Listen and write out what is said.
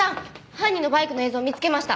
犯人のバイクの映像見つけました。